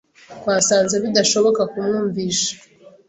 Twasanze bidashoboka kumwumvisha.